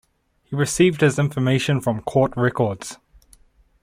He received his information from court records.